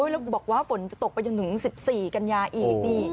แล้วบอกว่าฝนจะตกไปจนถึง๑๔กันยาอีก